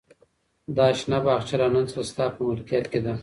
دا شنه باغچه له نن څخه ستا په ملکیت کې ده.